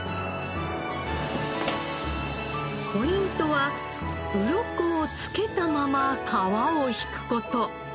ポイントはウロコをつけたまま皮を引く事